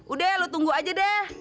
udah lu tunggu aja deh